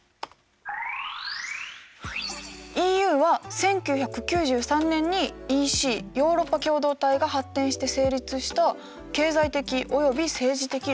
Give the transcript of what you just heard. ＥＵは１９９３年にＥＣヨーロッパ共同体が発展して成立した経済的および政治的連合。